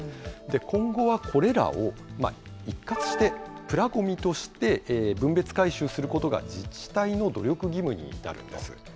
今後はこれらを、一括してプラごみとして分別回収することが自治体の努力義務になるんです。